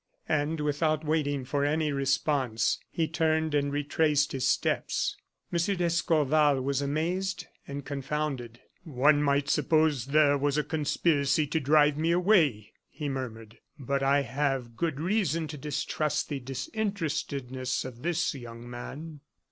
And without waiting for any response, he turned and retraced his steps. M. d'Escorval was amazed and confounded. "One might suppose there was a conspiracy to drive me away!" he murmured. "But I have good reason to distrust the disinterestedness of this young man."